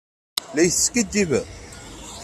La yi-teskiddibem?